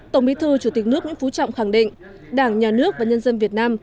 tổng bí thư chủ tịch nước nguyễn phú trọng khẳng định đảng nhà nước và nhân dân việt nam